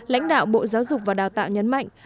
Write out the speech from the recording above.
lãnh đạo bộ giáo dục và đào tạo nhấn mạnh